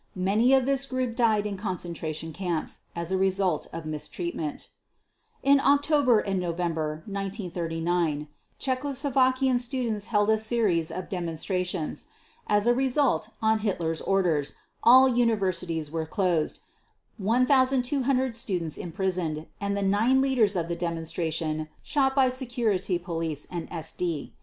Many of this group died in concentration camps as a result of mistreatment. In October and November 1939 Czechoslovakian students held a series of demonstrations. As a result, on Hitler's orders, all universities were closed, 1,200 students imprisoned, and the nine leaders of the demonstration shot by Security Police and SD.